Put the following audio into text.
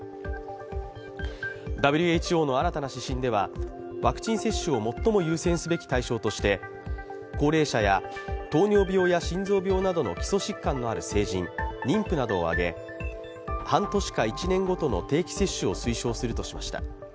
ＷＨＯの新たな指針ではワクチン接種を最も優先すべき対象として高齢者や糖尿病や心臓病などの基礎疾患のある成人、妊婦などを挙げ、半年か１年ごとの定期接種を推奨するとしました。